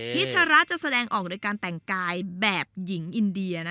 ชระจะแสดงออกโดยการแต่งกายแบบหญิงอินเดีย